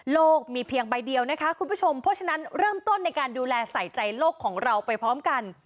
โลกมีเพียงใบเดียวนะคะคุณผู้ชมเพราะฉะนั้นเริ่มต้นในการดูแลใส่ใจโลกของเราไปพร้อมกัน